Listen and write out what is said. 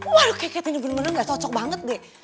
waduh keket ini bener bener gak cocok banget deh